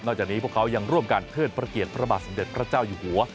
จากนี้พวกเขายังร่วมกันเทิดพระเกียรติพระบาทสมเด็จพระเจ้าอยู่หัว